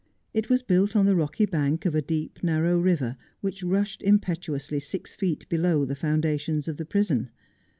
It was built on the rocky bank of a deep, narrow river, which rushed impetuously six feet below the foundations of the prison.